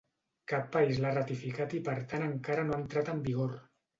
Cap país l'ha ratificat i per tant encara no ha entrat en vigor.